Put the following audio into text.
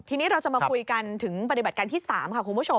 ทีนี้เราจะมาคุยกันถึงปฏิบัติการที่๓ค่ะคุณผู้ชม